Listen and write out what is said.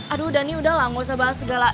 aduh dhani udahlah gak usah bahas segala